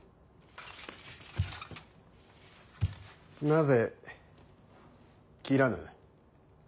なぜ斬らぬ。